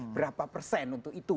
berapa persen untuk itu